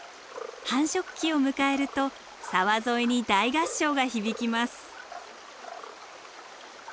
繁殖期を迎えると沢沿いに大合唱が響きます。